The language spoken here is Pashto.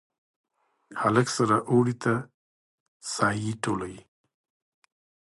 هلک سره اوړي ته سایې ټولوي